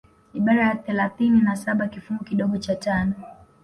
Ibara ya thalathini na saba kifungu kidogo cha tano